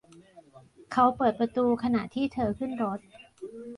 เขาเปิดประตูขณะที่เธอขึ้นรถ